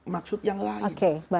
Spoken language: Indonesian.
maksud yang lain